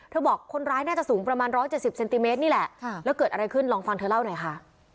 บอกคนร้ายน่าจะสูงประมาณ๑๗๐เซนติเมตรนี่แหละแล้วเกิดอะไรขึ้นลองฟังเธอเล่าหน่อยค่ะ